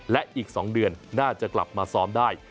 และอีก๒เดือนน่าจะกลับมาซ้อมได้